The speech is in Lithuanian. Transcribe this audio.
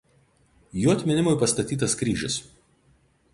Jų atminimui pastatytas kryžius.